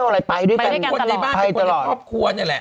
ในบ้านเป็นคนที่ครอบครัวนั่นแหละ